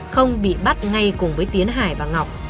không bị bắt ngay cùng với tiến hải và ngọc